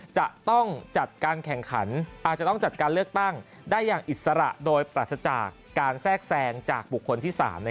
จะต้องจัดการเลือกตั้งได้อย่างอิสระโดยปรัสจากการแทรกแซงจากบุคคลที่๓